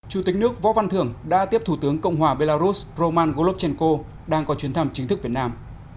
chủ tịch nước võ văn thưởng đã tiếp thủ tướng cộng hòa belarus roman gollovshenko đang có chuyến thăm chính thức việt nam